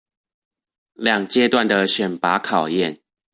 兩階段的選拔考驗